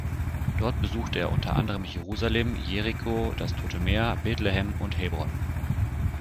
Dort besuchte er unter anderem Jerusalem, Jericho, das Tote Meer, Betlehem und Hebron.